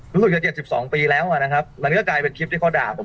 รู้สึกจะ๗๒ปีแล้วอ่ะนะครับมันก็กลายเป็นคลิปที่เขาด่าผม